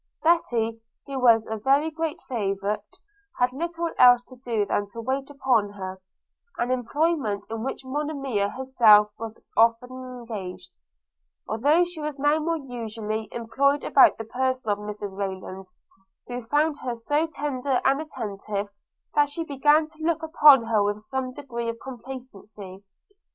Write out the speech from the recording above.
Betty, who was a very great favourtie, had little else to do than to wait upon her; an employment in which Monimia herself was often engaged, though she was now more usually employed about the person of Mrs Rayland, who found her so tender and attentive that she began to look upon her with some degree of complacency.